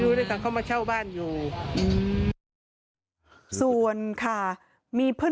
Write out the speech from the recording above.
แล้วก็เคยมีอาการทุกขั้นแบบนี้มั้ย